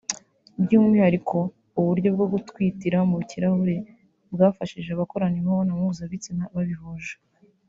By’umwihariko ubu buryo bwo gutwitira mu kirahure bwafashije abakorana imibonano mpuzabitsina babihuje